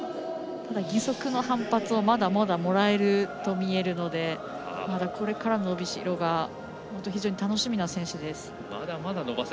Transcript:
ただ、義足の反発をまだまだもらえると見えるのでまだこれから伸びしろが非常に楽しみな選手です。